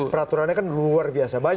peraturannya kan luar biasa